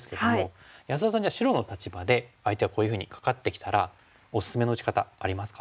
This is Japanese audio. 安田さんじゃあ白の立場で相手がこういうふうにカカってきたらおすすめの打ち方ありますか？